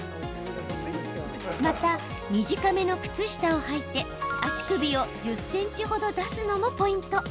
また、短めの靴下をはいて足首を１０ｃｍほど出すのもポイント。